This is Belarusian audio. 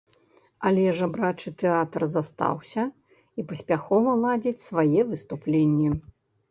Але жабрачы тэатр застаўся і паспяхова ладзіць свае выступленні.